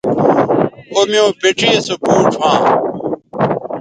او میوں پڇے سو پوڇ ھواں